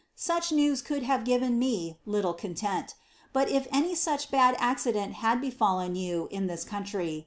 luch new* Oould have eiven me little conlem ; bul if aaj luch bad accident had berallen joa in Ibis couniiy.